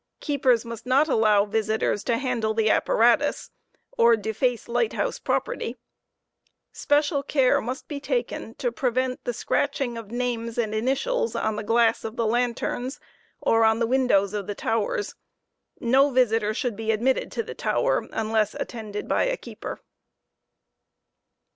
Keepers must not allow visitors to handle the apparatus or deface lighthouse property. Special care must be taken to prevent the scratching of names or initials on the' glass of the lanterns or ou the win dows of the towers. No visitor should be admitted to the tower unless attended by a kedper.